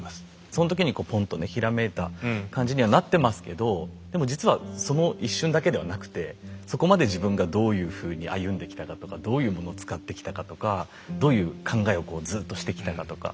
その時にこうポンとね閃いた感じにはなってますけどでも実はその一瞬だけではなくてそこまで自分がどういうふうに歩んできたかとかどういうものを使ってきたかとかどういう考えをこうずっとしてきたかとか。